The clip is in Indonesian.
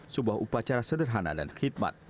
sebuah upacara sederhana dan khidmat